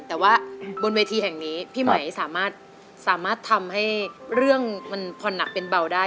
แต่ว่าบนเวทีแห่งนี้พี่ไหมสามารถทำให้เรื่องมันผ่อนหนักเป็นเบาได้